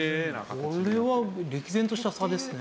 これは歴然とした差ですね。